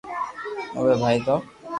اوي ٻآٽئ تو